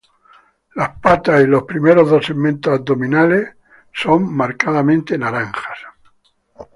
Las patas y los primeros dos segmentos abdominales son marcadamente naranjas.